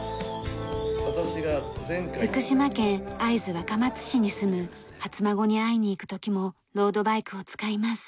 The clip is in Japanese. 福島県会津若松市に住む初孫に会いに行く時もロードバイクを使います。